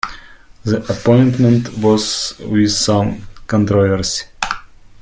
The appointment was with some controversy.